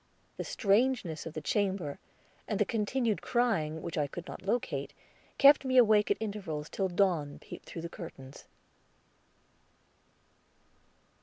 The strangeness of the chamber, and the continued crying, which I could not locate, kept me awake at intervals till dawn peeped through the curtains.